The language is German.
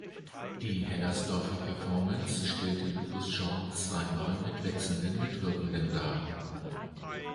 Die Hellersdorfer Performance stellte Lupus Shaun zweimal mit wechselnden Mitwirkenden dar.